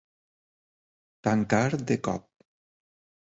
Tancar de cop.